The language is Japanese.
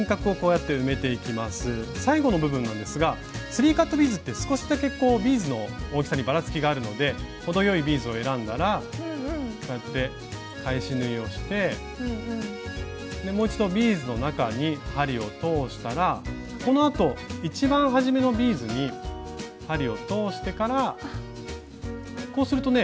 最後の部分なんですがスリーカットビーズって少しだけビーズの大きさにバラつきがあるので程よいビーズを選んだらこうやって返し縫いをしてもう一度ビーズの中に針を通したらこのあと一番初めのビーズに針を通してからこうするとね流れがきれいにまとまるので。